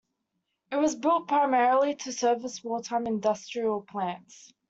It was built primarily to service wartime industrial plants.